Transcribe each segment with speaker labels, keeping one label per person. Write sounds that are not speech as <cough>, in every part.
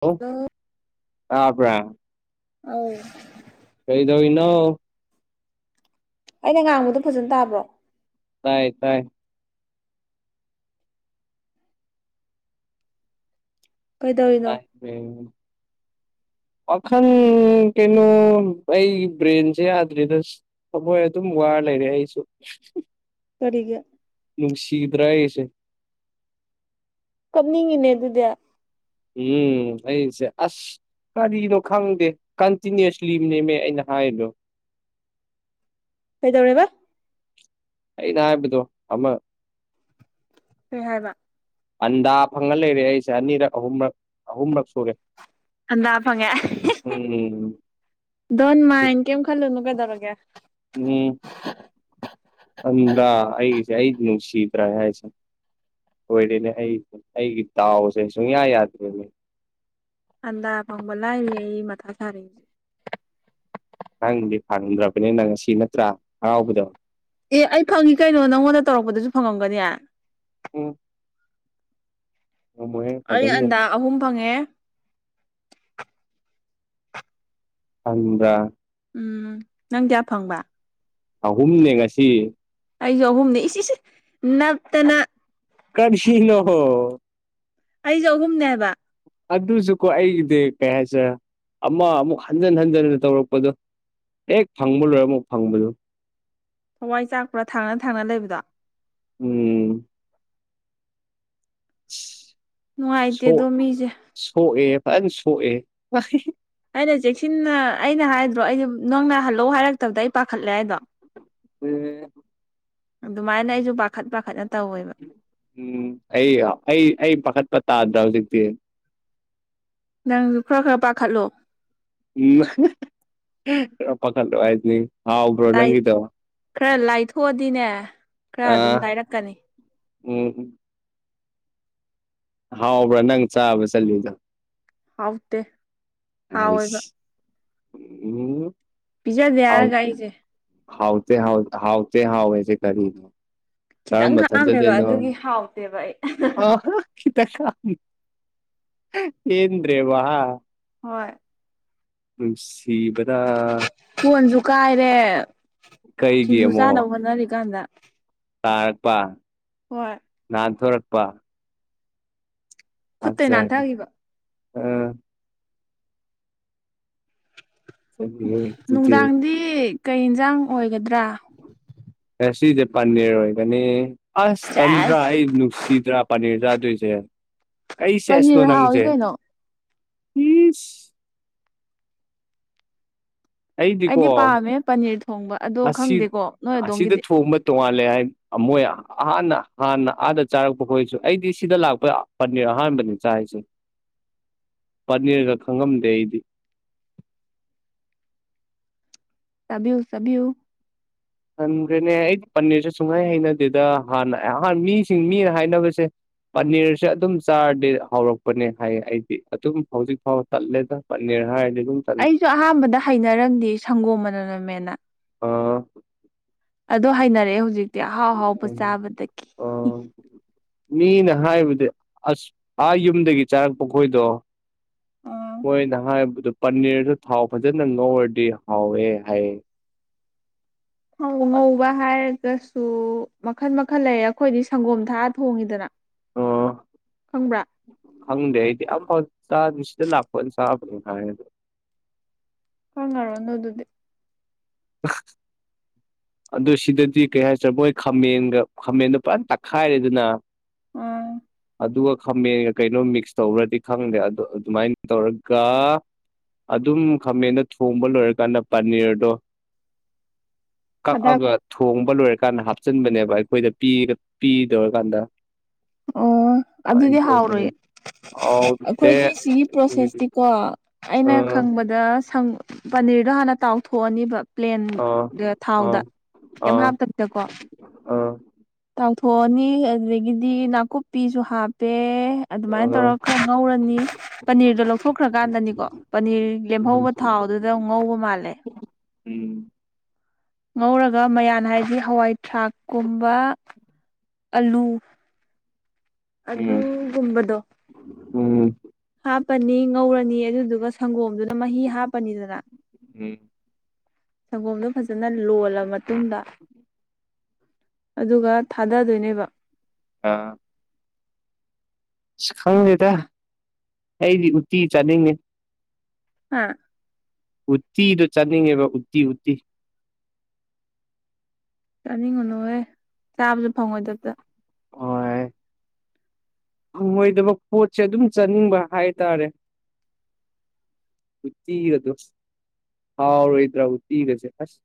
Speaker 1: hello
Speaker 2: hello
Speaker 1: ꯇꯥꯕ꯭ꯔꯥ
Speaker 2: ꯑ
Speaker 1: ꯀꯩꯗꯧꯔꯤꯅ‌ꯣ
Speaker 2: ꯑꯩꯅ ꯉꯥꯡꯕꯗꯣ ꯐꯖꯅ ꯇꯥꯕ꯭ꯔꯣ
Speaker 1: ꯇꯥꯏ ꯇꯥꯏ
Speaker 2: ꯀꯩꯗꯧꯔꯤꯅꯣ
Speaker 1: ꯔ‌ꯦꯡ ꯋꯥꯈꯪ ꯀꯩꯅꯣ ꯑꯩ ꯕ꯭ꯔꯦꯟꯁꯦ ꯌꯥꯗ꯭ꯔꯤꯗ ꯊꯃꯣꯏ ꯑꯗꯨꯝ ꯋꯥꯔ ꯂꯩꯔꯦ ꯑꯩꯁꯨ
Speaker 2: ꯀꯔꯤꯒꯤ
Speaker 1: ꯅꯨꯡ ꯁꯤ ꯗ꯭ꯔꯥꯑꯁꯦ
Speaker 2: ꯀꯞꯅꯤꯡꯉꯤꯅꯦ ꯑꯗꯨꯗꯤ
Speaker 1: ꯎꯝ ꯑꯩꯁꯦ ꯑꯁ ꯀꯔꯤꯅꯣ ꯈꯪꯗꯦ ꯀꯟꯇꯤꯅꯨꯁꯂꯤ ꯑꯃ ꯅꯦꯝꯃꯦ ꯑꯩꯅ ꯍꯥꯏꯗꯣ
Speaker 2: ꯀꯩꯗꯧꯔꯦꯕ
Speaker 1: ꯑꯩꯅ ꯍꯥꯏꯕꯗꯣ ꯑꯃ
Speaker 2: ꯀꯩ ꯍꯥꯏꯕ
Speaker 1: ꯑꯟꯗꯥ ꯐꯪꯉ ꯂꯩꯔꯦ ꯑꯩꯁꯦ ꯑꯅꯤꯔꯛ ꯑꯍꯨꯝꯔꯛ ꯑꯍꯨꯝꯔꯛ ꯁꯨꯔꯦ
Speaker 2: ꯑꯟꯗꯥ ꯐꯪꯉꯦ
Speaker 1: ꯎꯝ
Speaker 2: ꯗꯣꯟ ꯃꯥꯏꯟ ꯀꯩꯝ ꯈꯜꯂꯨꯅꯨ ꯀꯩꯗꯧꯔꯒꯦ
Speaker 1: ꯎꯝ ꯑꯗ꯭ꯔ ꯑꯁ ꯑꯅ ꯁꯤꯤꯇ ꯔꯁ ꯑꯣꯏꯔꯦꯅꯦ ꯑꯩ ꯑꯩꯒꯤ ꯇꯥꯎꯁꯦ ꯁꯨꯡꯌꯥ ꯌꯥꯗ꯭ꯔꯦꯅꯦ
Speaker 2: ꯑꯟꯗꯥ ꯐꯪꯕ ꯂꯥꯏꯔꯤ ꯑꯩ ꯃꯊꯥ ꯁꯥꯔꯤ ꯍꯧꯖꯤꯛ
Speaker 1: ꯅꯪꯗꯤ ꯐꯪꯗ꯭ꯔꯕꯅꯤꯅ ꯉꯁꯤ ꯅꯠꯇ꯭ꯔꯥ ꯍꯔꯥꯎꯕꯗꯣ
Speaker 2: ꯑꯦ ꯑꯩ ꯐꯪꯉꯤ ꯀꯩꯅꯣ ꯅꯪꯉꯣꯟꯗ ꯇꯧꯔꯛꯄꯗꯁꯨ ꯐꯪꯉꯝꯒꯅꯦ
Speaker 1: ꯑꯣ
Speaker 2: ꯑꯩ
Speaker 1: ꯐꯗꯧꯅꯦ
Speaker 2: ꯑꯟꯗ ꯑꯍꯨꯝ ꯐꯪꯉꯦ
Speaker 1: <unintelligible>
Speaker 2: ꯎꯝ ꯅꯪ ꯀꯌꯥ ꯐꯪꯕ
Speaker 1: ꯑꯍꯨꯝꯅꯦ ꯉꯁꯤ
Speaker 2: ꯑꯩꯁꯨ ꯑꯍꯨꯝꯅꯤ ꯏꯆ ꯅꯞꯇꯅ
Speaker 1: ꯀꯔꯤꯁꯤꯅꯍꯣ
Speaker 2: ꯑꯩꯁꯨ ꯑꯍꯨꯝꯅꯦ ꯍꯥꯏꯕ
Speaker 1: ꯑꯗꯨꯁꯨꯀꯣ ꯑꯩꯒꯤꯗꯤ ꯀꯩ ꯍꯥꯏꯁꯔꯦ ꯑꯃ ꯑꯃꯨꯛ ꯍꯟꯖꯟ ꯍꯟꯖꯤꯟꯅ ꯇꯧꯔꯛꯄꯗꯣ ꯑꯦ ꯐꯪꯕ ꯂꯣꯏꯔꯦ ꯑꯃꯨꯛ ꯐꯪꯕꯗꯨꯣ
Speaker 2: ꯊꯋꯥꯏ ꯆꯥꯛꯄꯔꯥ ꯊꯥꯡꯅ ꯊꯥꯡꯅ ꯂꯩꯕꯗꯣ
Speaker 1: ꯎꯝ <inaudible>
Speaker 2: ꯅꯨꯡꯉꯥꯏꯇꯦ ꯗꯣ
Speaker 1: ꯁꯣꯛ
Speaker 2: ꯃꯤꯁꯦ
Speaker 1: ꯁꯣꯛꯑꯦ ꯐꯖꯟ ꯁꯣꯛꯑꯦ
Speaker 2: ꯑꯩꯅ ꯆꯦꯛꯁꯤꯟꯅ ꯑꯩꯅ ꯍꯥꯏꯗ꯭ꯔꯣ ꯑꯩꯗ ꯅꯪꯅ ꯍꯜꯂꯧ ꯍꯥꯏꯔꯛꯇꯕꯗ ꯑꯩ ꯄꯥꯈꯠꯂꯦ ꯍꯥꯏꯗꯣ
Speaker 1: ꯍ
Speaker 2: ꯑꯗꯨꯃꯥꯏꯅ ꯑꯩꯁꯨ ꯄꯥꯈꯠ ꯄꯥꯈꯠꯅ ꯇꯧꯋꯦꯕ
Speaker 1: ꯎꯝ ꯑꯩ ꯑꯩ ꯑꯩ ꯄꯥꯈꯠꯄ ꯇꯥꯗ ꯍꯧꯖꯤꯛꯇꯤ
Speaker 2: ꯅꯪꯁꯨ ꯈꯔ ꯈꯔ ꯄꯥꯈꯠꯂꯣ
Speaker 1: ꯎꯝ ꯄꯈꯠ ꯍꯥꯏꯅꯤ ꯍꯥꯎꯕ꯭ꯔꯣ
Speaker 2: ꯂꯥꯏ
Speaker 1: ꯅꯪꯤꯗꯕ
Speaker 2: ꯈꯔ ꯂꯥꯏꯊꯣꯛꯑꯗꯤꯅꯦ ꯈꯔ ꯑꯗꯨꯝ ꯂꯥꯏꯔꯛꯀꯅꯤ
Speaker 1: ꯎꯝꯝ ꯍꯥꯎꯕ꯭ꯔꯥ ꯅꯪ ꯆꯥꯕ ꯆꯠꯂꯤꯗꯣ
Speaker 2: ꯍꯧꯠꯇ
Speaker 1: ꯑꯁ ꯎꯝ
Speaker 2: ꯄꯤꯖꯥꯗꯦ ꯍꯥꯏꯔꯒ ꯑꯩꯁꯦ
Speaker 1: ꯍꯥꯎꯇ‌ꯦ ꯍꯥꯎ ꯍꯥꯎꯇ‌ꯦ ꯍꯥꯋ‌ꯦꯁꯦ ꯀꯔꯤꯅ‌ꯣ
Speaker 2: ꯈꯤꯇꯪ
Speaker 1: ꯀꯔꯝꯕ
Speaker 2: ꯈꯥꯛꯑꯝꯃꯦꯕ
Speaker 1: ꯊꯠꯖꯗꯣꯏꯅꯣ
Speaker 2: ꯑꯗꯨꯒꯤ ꯍꯥꯎꯇꯦꯕ ꯑꯩ
Speaker 1: ꯑ ꯏꯤꯇꯪ ꯈ ꯄ‌ꯦꯟꯗ꯭ꯔꯦꯕ ꯍꯥ
Speaker 2: ꯍꯣꯏ
Speaker 1: ꯎ ꯁꯤꯕꯗꯥ
Speaker 2: ꯐꯣꯟꯁꯨ ꯀꯥꯏꯔꯦ
Speaker 1: ꯀꯩꯒꯤ
Speaker 2: ꯁꯤꯡꯖꯨ
Speaker 1: ꯑꯃꯨꯛ
Speaker 2: ꯆꯥꯅꯕ ꯍꯣꯠꯅꯔꯤꯀꯥꯟꯗ
Speaker 1: ꯇꯥꯔꯛꯄ
Speaker 2: ꯍꯣꯏ
Speaker 1: ꯅꯍꯥꯟ ꯊꯣꯔꯛꯄ ꯑ
Speaker 2: ꯈꯨꯠꯇꯩ
Speaker 1: ꯁꯔꯤ
Speaker 2: ꯅꯥꯟꯊꯈꯤꯕ
Speaker 1: ꯑ ꯆꯠꯂꯤꯍꯦ ꯑꯗꯨꯗꯤ
Speaker 2: ꯅꯨꯡꯗꯥꯡꯗꯤ ꯀꯩ ꯌꯦꯟꯖꯥꯡ ꯑꯣꯏꯒꯗ꯭ꯔꯥ
Speaker 1: ꯑꯦ ꯁꯤꯁꯦ ꯄꯥꯟꯅꯤꯡꯔꯣꯏꯒꯅꯤ ꯑꯁ
Speaker 2: ꯁꯦꯁ
Speaker 1: ꯇꯟꯗ꯭ꯔꯥ ꯑꯩ ꯅꯨꯡꯁꯤꯗ꯭ꯔꯥ ꯄꯅꯤꯔ ꯆꯥꯗꯣꯏꯁꯦ ꯀꯩ ꯁꯦꯁꯅꯣ
Speaker 2: ꯄꯅꯤꯔ ꯍꯥꯎꯏ
Speaker 1: ꯅꯪꯁꯦ
Speaker 2: ꯀꯩꯅꯣ
Speaker 1: ꯑꯩꯗꯤꯀꯣ
Speaker 2: ꯑꯩꯗꯤ ꯄꯥꯝꯃꯦ ꯄꯅꯤꯔ ꯊꯣꯡꯕ ꯑꯗꯣ ꯈꯪꯗꯦꯀꯣ ꯅꯣꯏ ꯑꯗꯣꯝꯒꯤꯗꯤ
Speaker 1: ꯇꯣꯉꯥꯜꯂꯦ ꯍꯥꯏ ꯃꯣꯏ ꯑꯍꯥꯟꯅ ꯍꯥꯟꯅ ꯑꯥꯗ ꯆꯥꯔꯛꯄ ꯍꯣꯏꯔꯁꯨ ꯑꯩꯗꯤ ꯁꯤꯗ ꯂꯥꯛꯄꯗ ꯄꯅꯤꯔ ꯑꯍꯥꯟꯕꯅꯤ ꯆꯥꯔꯤꯁꯦ ꯄꯅꯤꯔꯒ ꯈꯪꯉꯝꯗꯦ ꯑꯩꯗꯤ
Speaker 2: ꯁ ꯁꯌ
Speaker 1: ꯄꯟꯈ꯭ꯔꯦꯅꯦ ꯑꯩꯗꯤ ꯄꯟꯅꯦꯁꯨ ꯁꯨꯡꯍꯥꯏ ꯍꯩꯅꯗꯦꯗ ꯍꯥꯟꯅ ꯑꯍꯥꯟ ꯃꯤꯁꯤꯡ ꯃꯤꯅ ꯍꯥꯏꯅꯕꯁꯦ ꯄꯅꯤꯔꯁꯦ ꯑꯗꯨꯝ ꯆꯥꯔꯗꯤ ꯍꯧꯔꯛꯄꯅꯦ ꯍꯥꯏꯌꯦ ꯑꯩꯗꯤ ꯑꯗꯨꯝ ꯍꯧꯖꯤꯛ ꯐꯥꯎ ꯆꯠꯂꯦꯗ ꯅꯅꯤꯔꯍꯥ ꯍꯥꯏ
Speaker 2: ꯑꯩꯁꯨ ꯑꯍꯥꯟꯕꯗ ꯍꯩꯅꯔꯝꯗꯦ ꯁꯪꯒꯣꯝ ꯃꯅꯅꯃꯦꯅ
Speaker 1: ꯑ
Speaker 2: ꯑꯗꯣ ꯍꯥꯏꯅꯔꯛꯑꯦ ꯍꯧꯖꯤꯛꯇꯤ ꯑꯍꯥꯎ ꯑꯍꯥꯎꯕ ꯆꯥꯕꯗꯒꯤ
Speaker 1: ꯑꯥ ꯃꯤꯅ ꯍꯥꯏꯕꯗꯤ ꯑꯁ ꯑꯥ ꯌꯨꯝꯗꯒꯤ ꯆꯥꯔꯛꯄ ꯈꯣꯏꯗꯣ
Speaker 2: ꯑ
Speaker 1: ꯃꯣꯏꯅ ꯍꯥꯏꯕꯗ ꯄꯅꯤꯔꯗꯨ ꯊꯥꯎ ꯐꯖꯅ ꯉꯧꯔꯗꯤ ꯍꯥꯎꯋꯦ ꯍꯥꯏꯌꯦ
Speaker 2: ꯍꯧ ꯉꯧꯕ ꯍꯥꯏꯔꯒ ꯃꯈꯜ ꯃꯈꯜ ꯂꯩꯌꯦ ꯑꯩꯈꯣꯏꯗꯤ ꯁꯪꯒꯣꯝ ꯊꯥꯔ ꯊꯣꯡꯉꯤꯗꯅ ꯈꯪꯕ꯭ꯔꯥ
Speaker 1: ꯍꯪꯗꯦ ꯑꯩꯗꯤ ꯑꯐꯥꯎ ꯆ ꯁꯤꯗ ꯂꯥꯛꯄ ꯆꯕ
Speaker 2: ꯈꯪꯉꯨꯔꯅꯣ ꯑꯗꯨꯗꯤ
Speaker 1: <unintelligible> ꯑꯗꯨ ꯁꯤꯗꯗꯤ ꯀꯩ ꯍꯥꯏꯁꯤꯔꯦ ꯃꯣꯏ ꯈꯥꯃꯦꯟꯒ ꯈꯥꯃꯦꯟꯗꯣ ꯄꯨꯔꯥ ꯇꯛꯈꯥꯏꯔꯦꯗꯅ
Speaker 2: ꯎꯝ
Speaker 1: ꯑꯗꯨꯒ ꯈꯥꯃꯦꯟꯒ ꯀꯩꯅꯣ ꯃꯤꯛꯁ ꯇꯧꯕ꯭ꯔꯗꯤ ꯈꯪꯗꯦ ꯑꯗꯣ ꯑꯗꯨꯃꯥꯏꯅ ꯇꯧꯔꯒ ꯑꯗꯨꯝ ꯈꯥꯃꯗ ꯊꯣꯡꯕ ꯂꯣꯏꯔꯀꯥꯟꯗ ꯄꯅꯤꯔꯗꯣ
Speaker 2: ꯊꯥꯗꯕ
Speaker 1: ꯀꯛꯑꯒ ꯊꯣꯡꯕ ꯂꯣꯏꯔꯀꯥꯟꯗ ꯍꯥꯞꯆꯤꯟꯕꯅꯦꯕ ꯑꯩꯈꯣꯏꯗ ꯄ ꯄꯤꯗꯧꯔꯀꯥꯟꯗ
Speaker 2: ꯑꯣ ꯑꯗꯨꯗꯤ
Speaker 1: ꯑꯗꯨꯃꯥꯏꯅ ꯇꯧꯕꯅꯦ
Speaker 2: ꯍꯥꯎꯔꯣꯏꯌꯦ
Speaker 1: ꯍꯥꯎꯇꯦ
Speaker 2: ꯑꯩꯈꯣꯏꯒꯤ ꯁꯤꯒꯤ
Speaker 1: ꯑꯩꯈꯣꯏꯒꯤꯗꯤ
Speaker 2: ꯄ꯭ꯔꯣꯁꯦꯁꯇꯤꯀꯣ ꯑꯩꯅ
Speaker 1: ꯑꯥ
Speaker 2: ꯈꯪꯕꯗ ꯑꯗꯪ <unintelligible> ꯄꯅꯤꯔꯗꯣ ꯍꯥꯟꯅ ꯇꯥꯎꯊꯣꯛꯑꯅꯤꯕ ꯄ꯭ꯂꯦꯟ
Speaker 1: ꯑꯥ ꯑꯥ
Speaker 2: ꯊꯥꯎꯗ
Speaker 1: ꯑ
Speaker 2: ꯀꯦꯝ
Speaker 1: ꯑ
Speaker 2: ꯍꯥꯞꯇ ꯀꯣ ꯇꯥꯎꯊꯣꯛꯑꯅꯤ ꯑꯗꯒꯤ ꯗꯤ ꯅꯥꯀꯨꯞꯄꯤꯁꯨ ꯍꯥꯞꯄꯦ ꯑꯗꯨꯃꯥꯏꯅ ꯇꯧꯔ
Speaker 1: ꯑ
Speaker 2: ꯈꯔ ꯉꯧꯔꯅꯤ ꯄꯅꯤꯔꯗꯣ ꯂꯧꯊꯣꯛꯈ꯭ꯔꯀꯥꯟꯗꯅꯤꯀꯣ ꯄꯅꯤꯔ ꯂꯦꯝꯍꯧꯕ ꯊꯥꯎꯗꯨꯗ ꯉꯧꯕ ꯃꯥꯜꯂꯦ
Speaker 1: ꯎꯝ
Speaker 2: ꯉꯧꯔꯒ ꯃꯌꯥꯟ ꯍꯥꯏꯗꯤ ꯍꯋꯥꯏ ꯊꯔꯥꯛ ꯀꯨꯝꯕ ꯑꯂꯨ
Speaker 1: ꯎꯝ
Speaker 2: ꯑꯗꯨꯒꯒꯨꯝꯕꯗꯣ
Speaker 1: ꯎꯝ
Speaker 2: ꯍꯥꯞꯄꯅꯤ ꯉꯧꯔꯅꯤ ꯑꯗꯨꯗꯨꯒ ꯁꯪꯒꯣꯝꯗꯨꯅ ꯃ ꯍꯤ ꯍꯥꯄꯅꯤꯗꯅꯥ
Speaker 1: ꯎꯝ
Speaker 2: ꯁꯪꯒꯣꯝꯗꯣ ꯐꯖꯅ ꯂꯣꯜꯂ ꯃꯇꯨꯡꯗ ꯑꯗꯨꯒ ꯊꯥꯗꯗꯣꯏꯅꯦꯕ
Speaker 1: ꯑꯥ ꯑꯁ ꯈꯪꯗꯦꯗ ꯑꯩꯗꯤ ꯎꯇꯤ ꯆꯥꯅꯤꯡꯉꯦ
Speaker 2: ꯍꯥ
Speaker 1: ꯎꯠꯇꯤꯗꯣ ꯆꯠꯅꯤꯡꯉꯦꯕ ꯎꯠꯇꯤ ꯎꯠꯇꯤ
Speaker 2: ꯆꯥꯅꯤꯡꯉꯨꯅꯨꯍꯦ ꯆꯥꯕꯁꯨ ꯐꯪꯉꯣꯏꯗꯕꯗ
Speaker 1: ꯍꯣꯢ ꯐꯪꯉꯣꯏꯗꯕ ꯄꯣꯠꯁꯦ ꯑꯗꯨꯝ ꯆꯥꯅꯤꯡꯕ ꯍꯥꯏꯇꯥꯔꯦ ꯎꯠꯇꯤꯒꯗꯣ ꯍꯥꯎꯔꯣꯏꯗ꯭ꯔꯥ ꯎꯠꯇꯤꯒꯁꯦ ꯑꯁ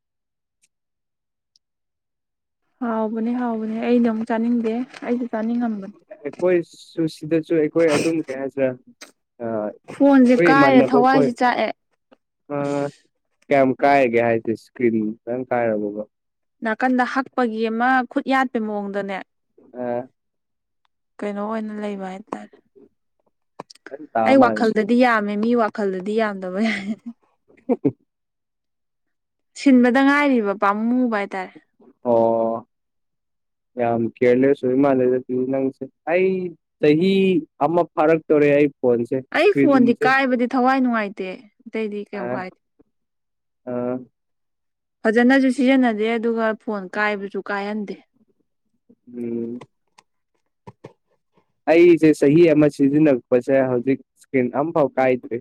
Speaker 2: ꯍꯥꯎꯕꯅꯦ ꯍꯥꯎꯕꯅꯦ ꯑꯩꯅ ꯑꯃꯨꯛ ꯆꯥꯅꯤꯡꯗꯦ ꯑꯩꯁꯨ ꯆꯥꯅꯤꯡꯉꯝꯕꯅꯦ
Speaker 1: ꯑꯩꯈꯣꯏ ꯁꯨ ꯁꯤꯗꯁꯨꯨ ꯑꯩꯈꯣꯏ ꯑꯗꯨꯝ ꯀꯩ ꯍꯥꯏꯁꯤꯔꯥ ꯑ
Speaker 2: ꯐꯣꯟꯁꯦ
Speaker 1: ꯑ
Speaker 2: ꯀꯥꯏꯔꯦ
Speaker 1: ꯏꯃꯥꯟꯅꯕ ꯈꯣꯢ
Speaker 2: ꯊꯋꯥꯏꯁꯦ ꯆꯥꯛꯑꯦ
Speaker 1: ꯑ ꯀꯌꯥꯝ ꯀꯥꯏꯔꯒꯦ ꯍꯥꯏꯁꯦ ꯏꯁꯀ꯭ꯔꯤꯟ ꯀꯥꯏꯔꯕꯕꯣ
Speaker 2: ꯅꯥꯀꯟꯗ ꯍꯛꯄꯒꯤ ꯑꯃ ꯈꯨꯠ ꯌꯥꯠꯄꯩ ꯃꯑꯣꯡꯗꯅꯦ
Speaker 1: ꯑ
Speaker 2: ꯀꯩꯅꯣ ꯑꯣꯏꯅ ꯂꯩꯕ ꯍꯥꯏꯇꯥꯔꯦ
Speaker 1: ꯈꯤꯇꯪ ꯇꯥ
Speaker 2: ꯑꯩ
Speaker 1: ꯃꯥꯜꯂꯦ
Speaker 2: ꯋꯥꯈꯜꯗ ꯗꯤ ꯌꯥꯝꯃꯦ ꯃꯤ ꯋꯥꯈꯜꯗꯗꯤ ꯌꯥꯝꯗꯕ ꯌꯥꯏ
Speaker 1: <inaudible>
Speaker 2: ꯁꯤꯟꯕꯗ ꯉꯥꯏꯔꯤꯕ ꯄꯥꯝꯃꯨꯕ ꯍꯥꯏꯇꯥꯔꯦ
Speaker 1: ꯑꯣ ꯌꯥꯝ ꯈꯦꯂꯁꯨꯏ ꯃꯥꯂꯗ ꯇ ꯅꯪꯁꯦ ꯑꯩ ꯇꯍꯤ ꯑꯃ ꯐꯔꯛ ꯇꯧꯔꯦ ꯑꯩ ꯐꯣꯟꯁꯦ
Speaker 2: ꯑꯩ ꯐꯣꯟꯗꯤ
Speaker 1: ꯏꯁꯀ꯭ꯔꯤꯟꯁꯦ
Speaker 2: ꯀꯥꯏꯕꯗꯤ ꯊꯋꯥꯏ ꯅꯨꯡꯉꯥꯏꯇꯦ ꯑꯇꯩꯗꯤ
Speaker 1: ꯑ
Speaker 2: ꯀꯩꯝꯨ ꯀꯥꯏꯗꯦ
Speaker 1: ꯑ
Speaker 2: ꯐꯖꯅꯁꯨ ꯁꯤꯖꯤꯟꯅꯗꯦ ꯑꯗꯨꯒ ꯐꯣꯟ ꯀꯥꯏꯕꯁꯨ ꯀꯥꯏꯍꯟꯗꯦ
Speaker 1: ꯎꯝ ꯑꯩꯁꯦ ꯆꯍꯤ ꯑꯃ ꯁꯤꯖꯤꯟꯅꯔꯛꯄꯁꯦ ꯍꯧꯖꯤꯛ ꯏꯁꯀ꯭ꯔꯤꯟ ꯑꯝꯐꯥꯎ ꯀꯥꯏꯗ꯭ꯔꯤ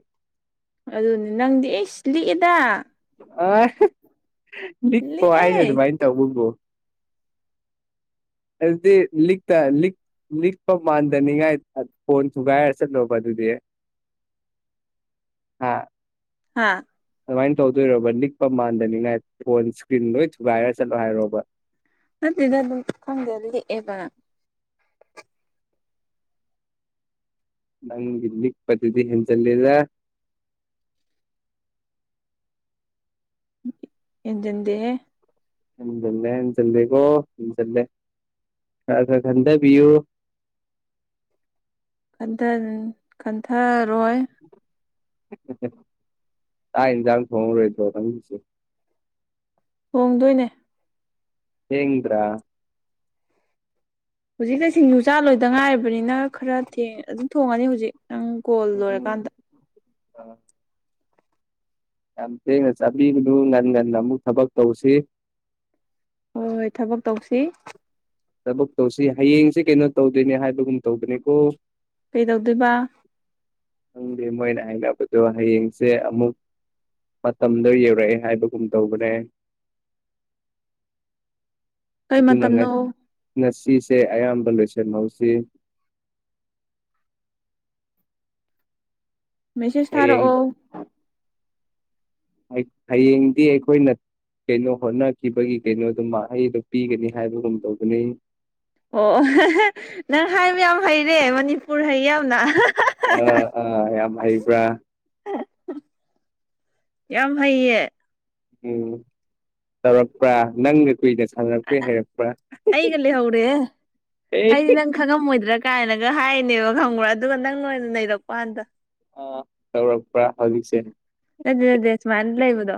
Speaker 2: ꯑꯗꯨꯅꯤ ꯅꯪꯗꯤ ꯑꯩ ꯂꯤꯛꯑꯦꯗ
Speaker 1: ꯑ ꯄꯣ ꯍꯥꯏꯗꯦ
Speaker 2: ꯂꯤꯛꯑꯦ
Speaker 1: ꯑꯗꯨꯃꯥꯏꯅ ꯇꯧꯕꯕꯨ ꯑꯗꯨꯗꯤ ꯂꯤꯛ ꯂꯤꯛ ꯅꯤꯛꯄ ꯃꯥꯟꯗꯅꯤꯉꯥꯏ ꯐꯣꯟ ꯊꯨꯒꯥꯏꯔ ꯆꯠꯂꯣꯕ ꯑꯗꯨꯗꯤ ꯍꯥ
Speaker 2: ꯍꯥ
Speaker 1: ꯑꯗꯨꯃꯥꯏꯅ ꯇꯧꯗꯣꯏꯔꯣꯕ ꯅꯤꯛꯄ ꯃꯥꯟꯗꯅꯤꯉꯥꯏ ꯐꯣꯟ ꯏꯁꯀ꯭ꯔꯤꯟ ꯂꯣꯏ ꯊꯨꯒꯥꯏꯔ ꯆꯠꯂꯣ ꯍꯥꯏꯔꯣꯕ
Speaker 2: ꯃꯗꯤꯦ ꯑꯗꯨ ꯈꯪꯗꯦꯗꯤꯑꯕ
Speaker 1: ꯅꯪ ꯏꯅꯤꯛ ꯄꯊꯗꯤ ꯌꯦꯆꯤꯜꯂꯦꯗ
Speaker 2: ꯍꯦꯟꯖꯤꯟꯗꯦ
Speaker 1: ꯍꯟꯖꯜꯂꯦ ꯍꯟꯖꯜꯂꯦꯀꯣ ꯍꯟꯖꯜꯂꯦ ꯈꯔ ꯈꯔ ꯈꯟꯊꯕꯤꯌꯨ
Speaker 2: ꯀꯟꯊꯔꯣꯏ
Speaker 1: ꯇꯥ ꯏꯟꯖꯥꯥꯡ ꯊꯉ ꯔꯦꯗꯪꯁꯤ <inaudible>
Speaker 2: ꯍꯣꯡꯗꯣꯏꯅꯦ
Speaker 1: ꯊꯦꯡꯗ꯭ꯔꯥ
Speaker 2: ꯍꯧꯖꯤꯛꯀ ꯁꯤꯡꯖꯨꯖꯥ ꯂꯣꯏꯗ ꯉꯥꯏꯔꯕꯅꯤꯅ ꯈꯔꯦꯡ ꯑꯗꯨꯝ ꯊꯣꯡꯉꯅꯤ ꯍꯧꯖꯤꯛ ꯅꯪ ꯀꯣꯜ ꯂꯣꯏꯔꯀꯥꯟꯗ
Speaker 1: ꯌꯥꯝ ꯊꯦꯡꯅ ꯆꯥꯕꯤꯒꯅꯨ ꯉꯟꯅ ꯉꯟꯅ ꯑꯃꯨꯛ ꯊꯕꯛ ꯇꯧꯁꯤ
Speaker 2: ꯍꯣꯏ ꯍꯣꯏ ꯊꯕꯛ ꯇꯧꯁꯤ
Speaker 1: ꯊꯕꯛ ꯇꯧꯁꯤ ꯍꯌꯦꯡꯁꯤ ꯀꯩꯅꯣ ꯇꯧꯗꯣꯏꯅꯦ ꯍꯥꯏꯕꯒꯨꯝ ꯇꯧꯗꯅꯦꯀꯣ
Speaker 2: ꯀꯩꯗꯧꯗꯣꯏꯕ
Speaker 1: ꯈꯪꯗꯦ ꯃꯣꯏꯅ ꯍꯥꯏꯅꯕꯗꯣ ꯍꯌꯦꯡꯁꯦ ꯑꯃꯨꯛ ꯃꯇꯝꯗꯣ ꯌꯧꯔꯛꯑꯦ ꯍꯥꯏꯕꯒꯨꯝ ꯇꯧꯕꯅꯦ
Speaker 2: ꯀꯩ
Speaker 1: ꯑꯗꯨꯅ
Speaker 2: ꯃꯇꯝꯅꯣ
Speaker 1: ꯉꯁꯤꯁꯦ ꯑꯌꯥꯝꯕ ꯂꯣꯏꯁꯟꯍꯧꯁꯤ
Speaker 2: ꯃꯦꯁꯦꯁ
Speaker 1: ꯍꯌꯦꯡ
Speaker 2: ꯊꯥꯔꯛꯑꯣ
Speaker 1: ꯍꯌꯦꯡꯗꯤ ꯑꯩꯈꯣꯏꯅ ꯀꯩꯅꯣ ꯍꯣꯠꯅꯈꯤꯕꯒꯤ ꯀꯩꯅꯣꯗꯨ ꯃꯍꯩꯗꯣ ꯄꯤꯒꯅꯤ ꯍꯥꯏꯕꯒꯨꯝ ꯇꯧꯕꯗꯨꯅꯤ
Speaker 2: ꯑꯣ ꯅꯪ ꯍꯥꯏ ꯃꯌꯥꯝ ꯍꯩꯔꯦ ꯃꯅꯤꯄꯨꯔ ꯍꯩ ꯌꯥꯝꯅ
Speaker 1: ꯃꯌꯥꯝ ꯍꯩꯕ꯭ꯔꯥ
Speaker 2: ꯌꯥꯝ ꯐꯩꯌꯦ
Speaker 1: ꯎꯝ ꯆꯥꯎꯧꯔꯛꯄ꯭ꯔꯥ ꯅꯪ ꯀꯨꯏꯗ ꯁꯥꯟꯅꯔꯛꯄ꯭ꯔꯦ ꯍꯩꯔꯛꯄ꯭ꯔꯥ
Speaker 2: ꯑꯩꯒ
Speaker 1: ꯑꯦ
Speaker 2: ꯉꯝ ꯑꯣꯏꯣꯏꯗ꯭ꯔꯥ ꯀꯥꯏꯅꯒ ꯍꯥꯏꯅꯦꯕ ꯈꯪꯕ꯭ꯔꯥ ꯑꯗꯨꯒ ꯅꯪ ꯑꯣꯏꯅꯥ ꯅꯩꯔꯛꯄꯩ ꯋꯥꯅꯤꯗ
Speaker 1: ꯑꯥ ꯇꯧꯔꯛꯄ꯭ꯔꯥ ꯍꯧꯖꯤꯛꯁꯦ
Speaker 2: ꯅꯠꯇꯦ ꯅꯠꯇꯦ ꯁꯨꯃꯥꯏꯅ ꯂꯩꯕꯗꯣ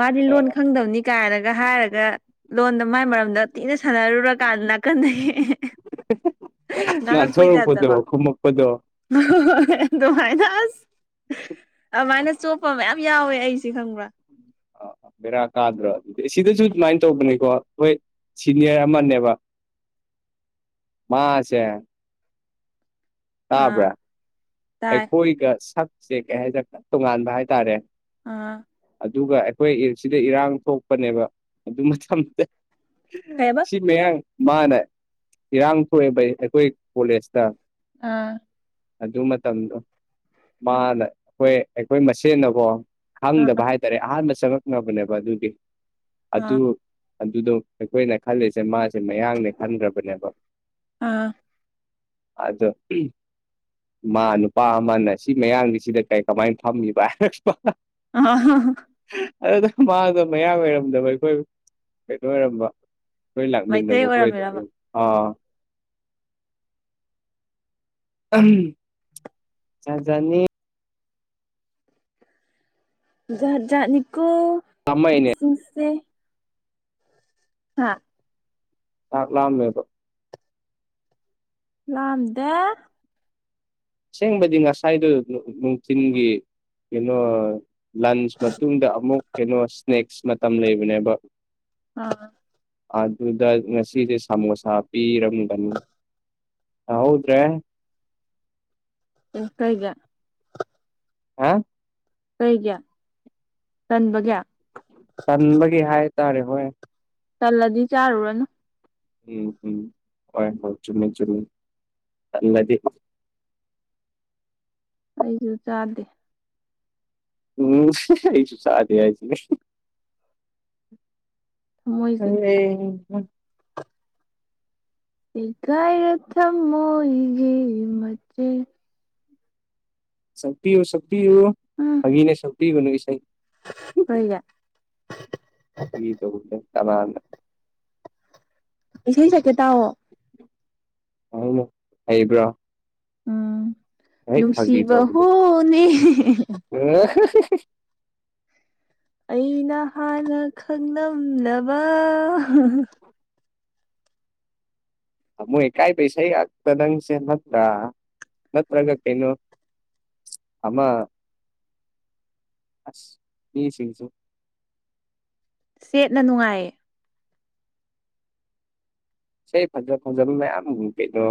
Speaker 2: ꯃꯥꯗꯤ ꯂꯣꯟ ꯈꯪꯗꯕꯅꯤ ꯀꯥꯏꯅꯒ ꯍꯥꯏꯔꯒ ꯂꯣꯟꯗꯣ ꯃꯥꯏ ꯃꯔꯝꯗ ꯊꯤꯅ ꯁꯥꯟꯅꯔꯨꯔꯀꯥꯟꯗ ꯅꯥꯀꯟꯗꯒꯤ
Speaker 1: ꯉꯥꯡꯊꯣꯛꯔꯛꯄꯗꯣ ꯈꯨꯝꯃꯛꯄꯗꯣ
Speaker 2: ꯑꯗꯨꯃꯥꯏꯅꯥ ꯑꯁ ꯀꯃꯥꯏꯅ ꯆꯣꯞꯄ ꯃꯌꯥꯝ ꯌꯥꯎꯋꯦ ꯑꯩꯁꯦ ꯈꯪꯕ꯭ꯔꯥ
Speaker 1: ꯕꯦꯔꯥ ꯀꯥꯗ꯭ꯔꯣ ꯁꯤꯗꯁꯨ ꯑꯗꯨꯃꯥꯏꯅ ꯇꯧꯕꯅꯤꯀꯣ ꯍꯣꯏ ꯁꯤꯅꯤꯌꯔ ꯑꯃꯅꯦꯕ ꯃꯥꯁꯦ
Speaker 2: ꯑꯥ
Speaker 1: ꯇꯥꯕ꯭ꯔꯥ
Speaker 2: ꯇꯥꯏ
Speaker 1: ꯑꯩꯈꯣꯏꯒ ꯁꯛꯁꯦ ꯀꯩꯍꯥꯏꯇꯥꯔꯦ ꯇꯣꯉꯥꯟꯕ ꯍꯥꯏꯇꯥꯔꯦ
Speaker 2: ꯑꯥ
Speaker 1: ꯑꯗꯨꯒ ꯑꯩꯈꯣꯏ ꯑꯦꯁꯤꯗ ꯏꯔꯥꯡ ꯊꯣꯛꯄꯅꯦꯕ ꯑꯗꯨ ꯃꯇꯝꯗ
Speaker 2: ꯀꯩꯕ
Speaker 1: ꯁꯤ ꯃꯌꯥꯡ ꯃꯥꯅ ꯏꯔꯥꯡ ꯊꯣꯛꯑꯦꯕ ꯑꯩꯈꯣꯏ ꯀꯣꯂꯦꯖꯇ
Speaker 2: ꯑꯥ
Speaker 1: ꯑꯗꯨ ꯃꯇꯝꯗꯣ ꯃꯥꯅ ꯑꯩꯈꯣꯏ ꯑꯩꯈꯣꯏ ꯃꯁꯦꯟꯅꯀꯣ
Speaker 2: ꯑꯥ
Speaker 1: ꯈꯪꯗꯕ ꯍꯥꯏꯇꯥꯔꯦ ꯑꯍꯥꯟꯕ ꯆꯪꯉꯛꯅꯕꯅꯦꯕ ꯑꯗꯨꯗꯤ
Speaker 2: ꯑꯥ
Speaker 1: ꯑꯗꯨ ꯑꯗꯨꯗꯣ ꯑꯩꯈꯣꯏꯅ ꯈꯜꯂꯤꯁꯦ ꯃꯥꯁꯦ ꯃꯌꯥꯡꯅꯦ ꯈꯟꯈꯔꯕꯅꯦꯕ
Speaker 2: ꯑꯥ
Speaker 1: ꯑꯗꯨ ꯃꯥ ꯅꯨꯄꯥ ꯑꯃꯅ ꯁꯤ ꯃꯌꯥꯡꯁꯦꯁꯤꯗ ꯀꯩ ꯀꯃꯥꯏꯅ ꯐꯝꯃꯤꯕ ꯍꯥꯏꯔꯛꯄꯥꯏꯋꯥꯅꯦ
Speaker 2: ꯑꯥ
Speaker 1: ꯑꯗꯨꯗ ꯃꯥꯗꯣ ꯃꯌꯥꯡ ꯑꯣꯏꯔꯝꯗꯕ ꯑꯩꯈꯣꯏ ꯀꯩꯅꯣ ꯑꯣꯏꯔꯝꯕ
Speaker 2: ꯃꯩꯇꯩ ꯑꯣꯏꯔꯝꯃꯤꯔꯕ
Speaker 1: <unintelligible> <unintelligible> ꯖꯥꯠ ꯖꯥꯠꯅꯤ
Speaker 2: ꯖꯥꯠ ꯖꯥꯠꯅꯤꯀꯣ
Speaker 1: <unintelligible>
Speaker 2: ꯇꯨꯡꯁꯦ ꯍꯥ
Speaker 1: ꯆꯥꯛ ꯂꯥꯝꯃꯦꯕꯥ
Speaker 2: ꯂꯥꯝꯗꯦ
Speaker 1: ꯑꯁꯦꯡꯕꯗꯤ ꯉꯁꯥꯏꯗꯣ ꯅꯨꯡꯊꯤꯟꯒꯤ ꯀꯩꯅꯣ ꯂꯟꯁ ꯃꯇꯨꯡꯗ ꯑꯃꯨꯛ ꯀꯩꯅꯣ ꯁꯅꯦꯛꯁ ꯃꯇꯝ ꯂꯩꯕꯅꯦꯕ
Speaker 2: ꯑꯥ
Speaker 1: ꯑꯗꯨꯗ ꯉꯁꯤꯗꯤ ꯁꯃꯣꯁꯥ ꯄꯤꯔꯝꯒꯅꯤ ꯇꯥꯍꯧꯎꯗ꯭ꯔꯦ
Speaker 2: ꯀꯩ
Speaker 1: ꯍꯥ
Speaker 2: ꯀꯩꯒꯤ ꯆꯟꯕꯒꯦ
Speaker 1: ꯆꯟꯕꯒꯤ ꯍꯥꯏꯇꯥꯔꯦ ꯍꯣꯏ
Speaker 2: ꯆꯜꯂꯗꯤ ꯆꯥꯔꯨꯔꯅꯨ
Speaker 1: ꯎꯝ ꯎꯝ ꯍ ꯆꯨꯝꯃꯤ ꯆꯨꯝꯃꯤ ꯅꯗꯤ
Speaker 2: ꯑꯩꯁꯨ ꯆꯥꯗꯦ
Speaker 1: ꯎꯝ ꯑꯩꯁꯨ ꯆꯥꯗꯦ ꯍꯥꯏꯁꯤꯅꯤ
Speaker 2: ꯊꯃꯣꯏꯁꯦ
Speaker 1: <unintelligible>
Speaker 2: ꯁꯦꯒꯥꯏꯔ ꯊꯃꯣꯒꯤ ꯃꯆꯦꯠ
Speaker 1: ꯁꯛꯄꯤꯌꯨ ꯁꯛꯄꯤꯌꯨ
Speaker 2: ꯎꯝ
Speaker 1: ꯐꯒꯤꯅꯦ ꯁꯛꯄꯤꯒꯅꯨ ꯏꯁꯩ
Speaker 2: ꯑꯣꯏꯌꯥ
Speaker 1: <unintelligible>
Speaker 2: ꯏꯁꯩ ꯁꯛꯀꯦ ꯇꯥꯎꯑꯣ
Speaker 1: ꯑꯨꯛ ꯍꯩꯕ꯭ꯔꯥ
Speaker 2: ꯎꯝ
Speaker 1: ꯐꯥꯒꯤ
Speaker 2: ꯅꯨꯡꯁꯤꯕ ꯍꯣꯅꯦ
Speaker 1: ꯎ
Speaker 2: ꯑꯩꯅ ꯍꯥꯟꯅ ꯈꯪꯂꯝꯅꯕ
Speaker 1: ꯃꯣꯏ ꯀꯥꯏ ꯄꯩꯁꯥꯩ ꯍꯥꯏꯥꯛꯇꯗꯪꯁꯦ ꯅꯠꯇ꯭ꯔ ꯅꯠꯇ꯭ꯔꯒ ꯀꯩꯅꯣ ꯑꯃ ꯑꯁ ꯌꯦ ꯁꯤꯁꯨ
Speaker 2: ꯁꯦꯠꯅ ꯅꯨꯡꯉꯥꯏꯌꯦ
Speaker 1: ꯁ ꯐꯖ ꯐꯖ ꯑ ꯀꯩꯗꯣ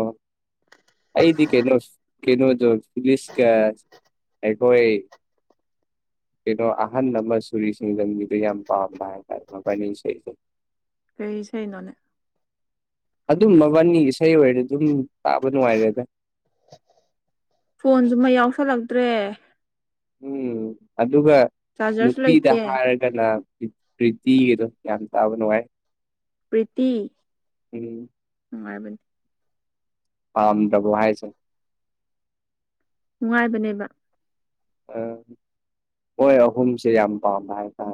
Speaker 1: ꯑꯩꯗꯤ ꯀꯩꯅꯣ ꯀꯩꯅꯣ ꯑꯗꯨ ꯐꯂꯤꯁ ꯀ ꯑꯩꯈꯣꯏ ꯀꯩꯅꯣ ꯑꯍꯟ ꯑꯃ ꯁꯨꯔꯤꯁꯤꯡ ꯂꯝꯕꯤꯗꯣ ꯌꯥꯝ ꯄꯥꯝꯕ ꯍꯥꯏꯇꯥꯔꯦ ꯃꯕꯥꯣꯏ ꯏꯁꯩꯁꯦ
Speaker 2: ꯀꯁꯩꯅꯣꯅꯦ
Speaker 1: ꯑꯗꯨꯝ ꯃꯕꯥꯟꯅꯤ ꯏꯁꯩ ꯑꯣꯏꯔꯦ ꯑꯗꯨꯝ ꯇꯥꯕ ꯅꯨꯡꯉꯥꯏꯔꯦ ꯑꯗ
Speaker 2: ꯐꯣꯟꯁꯨꯃ ꯌꯥꯎꯁꯜꯂꯛꯇ꯭ꯔꯦ
Speaker 1: ꯎꯝ ꯑꯗꯨꯒ
Speaker 2: ꯆꯥꯔꯖꯔꯁꯨ
Speaker 1: ꯅꯨꯄꯤꯗ
Speaker 2: ꯂꯩꯇꯦ
Speaker 1: ꯍꯥꯏꯔꯒ ꯅ ꯄ꯭ꯔꯤꯇꯤꯒꯤꯗꯣ ꯌꯥꯝ ꯇꯥꯕ ꯅꯨꯡꯉꯥꯏ
Speaker 2: ꯄ꯭ꯔꯤꯇ
Speaker 1: ꯎꯝ
Speaker 2: ꯎꯅꯨꯡꯉꯥꯏꯕ
Speaker 1: ꯄꯥꯝꯗ꯭ꯔꯕꯣ ꯍꯥꯏꯁꯦ
Speaker 2: ꯅꯨꯡꯉꯥꯏꯕꯅꯦꯕ
Speaker 1: ꯑꯝ ꯍꯣꯏ ꯑꯍꯨꯝꯁꯦ ꯌꯥꯝ ꯄꯥꯝꯃꯦ ꯍꯥꯏꯇꯥꯔꯦ